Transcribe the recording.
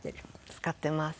使ってます。